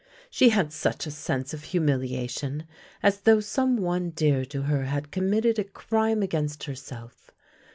She had such a sense of humili ation as though some one dear to her had committed a crime against herself.